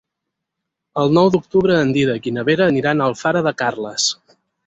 El nou d'octubre en Dídac i na Vera aniran a Alfara de Carles.